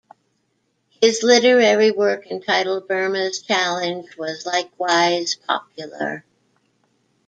His literary work entitled "Burma's Challenge" was likewise popular.